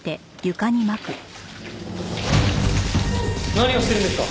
何をしてるんですか？